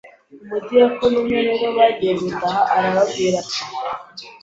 umudiyakoni umwe rero bagiye gutaha arababwira ati